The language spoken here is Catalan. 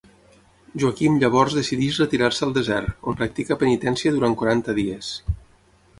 Joaquim llavors decidix retirar-se al desert, on practica penitència durant quaranta dies.